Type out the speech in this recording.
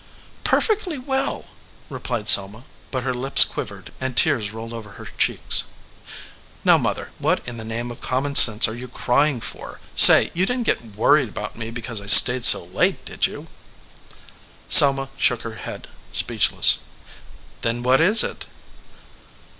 "Perfectly well," replied Selma; but her lips quivered and tears rolled over her cheeks. "Now, mother, what in the name of common sense are you crying for? Say, you didn t get worried about me because I stayed so late, did you?" Selma shook her head, speechless. "Then what is it?"